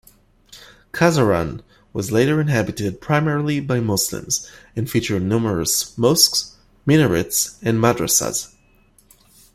Khazaran was later inhabited primarily by Muslims and featured numerous mosques, minarets, and madrasas.